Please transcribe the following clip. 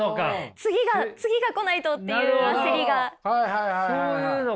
次が次が来ないとっていう焦りが。